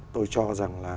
tôi cho rằng là